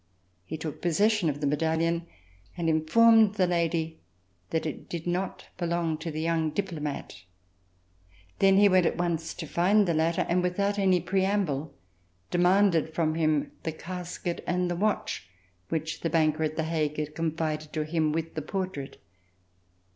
He took possession of the medallion and informed the lady that it did not belong to the young diplomat. Then he went at once to find the latter and, without any preamble, de manded from him the casket and the watch which the banker at The Hague had confided to him with the portrait.